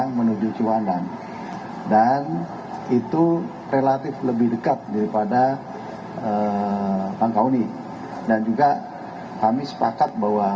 yang menuju ciwandan dan itu relatif lebih dekat daripada tangkauni dan juga kami sepakat bahwa